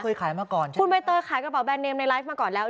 เคยขายมาก่อนใช่ไหมคุณใบเตยขายกระเป๋มในไลฟ์มาก่อนแล้ว